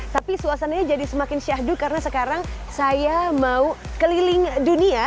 tapi suasananya jadi semakin syahdu karena sekarang saya mau keliling dunia